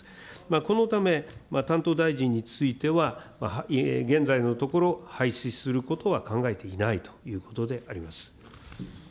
このため、担当大臣については、現在のところ、廃止することは考えていないということであります。